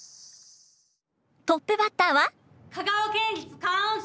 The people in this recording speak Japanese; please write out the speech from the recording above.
トップバッターは？